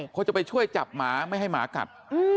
เขาจะไปช่วยจับหมาไม่ให้หมากัด